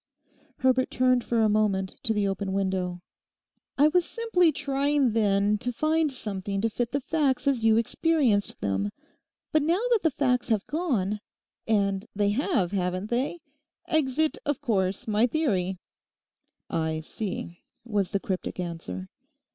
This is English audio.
Herbert turned for a moment to the open window. 'I was simply trying then to find something to fit the facts as you experienced them. But now that the facts have gone—and they have, haven't they?—exit, of course, my theory!' 'I see,' was the cryptic answer.